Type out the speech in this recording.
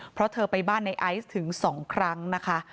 เพราะเธอไปบ้านในไอซ์ถึง๒ครั้งนะคะ